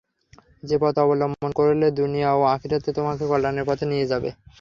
যে পথ অবলম্বন করলে দুনিয়া ও আখিরাতে তোমাকে কল্যাণের পথে নিয়ে যাবে।